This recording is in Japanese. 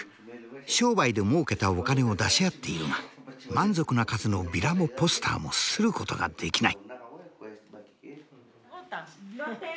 商売でもうけたお金を出し合っているが満足な数のビラもポスターも刷ることができない。